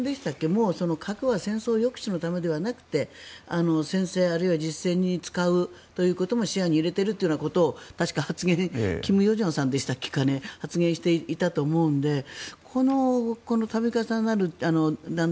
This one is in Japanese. もう、核は戦争抑止のためではなくて戦線、あるいは実戦に使うということも視野に入れているということを確か、金与正さんでしたかね発言していたと思うので度重なる弾道